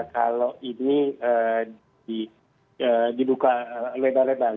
kalau ini dibuka lebar lebar